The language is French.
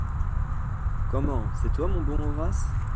Comment ! c’est toi, mon bon Horace ?…